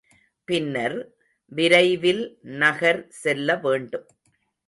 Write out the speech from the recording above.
பின்னர், விரைவில் நகர் செல்ல வேண்டும்.